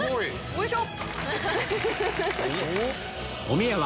おいしょ！